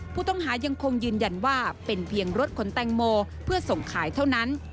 ผู้ต้องหายังคงยืนยันว่าเป็นเพียงรถขนแตงโมเพื่อส่งขายเท่านั้น